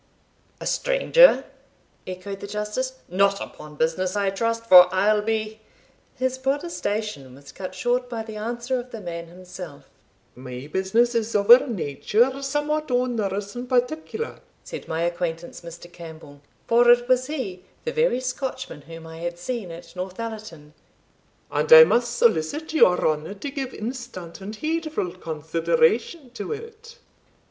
"A stranger!" echoed the Justice "not upon business, I trust, for I'll be" His protestation was cut short by the answer of the man himself. "My business is of a nature somewhat onerous and particular," said my acquaintance, Mr. Campbell for it was he, the very Scotchman whom I had seen at Northallerton "and I must solicit your honour to give instant and heedful consideration to it.